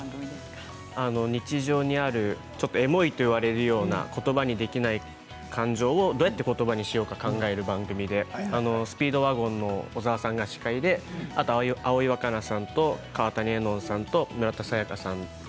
日常にあるちょっとエモいといわれるような言葉にできない感情をどうやって言葉にしようか考える番組でスピードワゴンの小沢さんが司会で葵わかなさんと川谷絵音さんと村田沙耶香さん